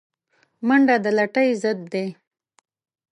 منډه د لټۍ ضد ده